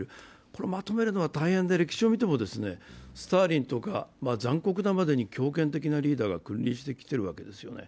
これをまとめるのは大変で、歴史を見てもスターリンとか、残酷なまでに強権的なリーダーが君臨してきているわけですよね。